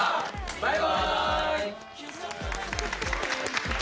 バイバーイ！